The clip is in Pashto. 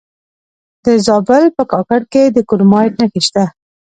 د زابل په کاکړ کې د کرومایټ نښې شته.